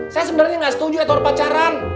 saya sebenernya gak setuju edward pacaran